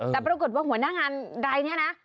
แต่ปรากฏว่าหัวหน้างานรายนี้นะ